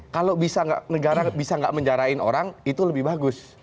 kalau bisa negara tidak menjarakan orang itu lebih bagus